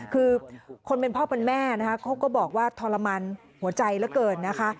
คือคนเป็นพ่อเป็นแม่นะคะเขาก็บอกว่าทรมานหัวใจเหลือเกินนะคะ